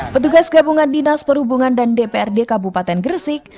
petugas gabungan dinas perhubungan dan dpr di kabupaten gresik